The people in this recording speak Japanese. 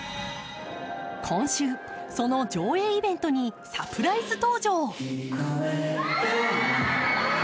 今週、その上映イベントにサプライズ登場。